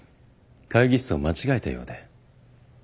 会議室を間違えたようで。